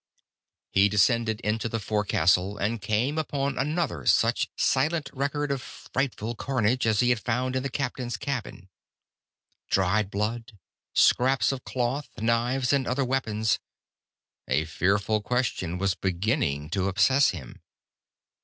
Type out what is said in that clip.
He descended into the forecastle, and came upon another such silent record of frightful carnage as he had found in the captain's cabin. Dried blood, scraps of cloth, knives and other weapons. A fearful question was beginning to obsess him.